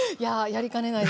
やりかねない？